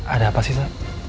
ada apa sih sa